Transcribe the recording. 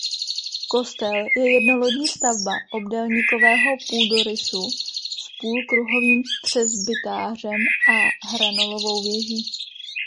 Kostel je jednolodní stavba obdélníkového půdorysu s půlkruhovým presbytářem a hranolovou věží.